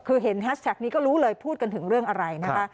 คือเห็นแฮชแท็กนี้ก็รู้เลยพูดกันถึงเรื่องอะไรนะคะ